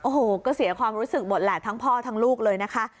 โอ้โหก็เสียความรู้สึกหมดแหละทั้งพ่อทั้งลูกเลยนะคะ